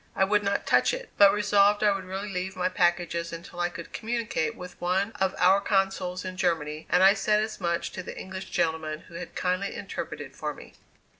I would not touch it; but resolved I would really leave my packages until I could communicate with one of our consuls in Germany, and I said as much to the English gentleman who had kindly interpreted for me.